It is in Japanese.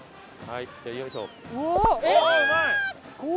はい！